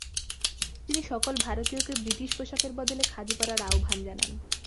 তিনি সকল ভারতীয়কে ব্রিটিশ পোশাকের বদলে খাদি পরার আহ্বান জানান।